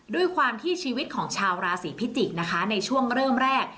ด้วยความที่ชีวิตของชาวราศีพิจิกษ์นะคะในช่วงเริ่มแรก